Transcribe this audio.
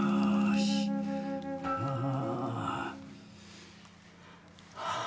ああ。